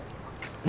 何？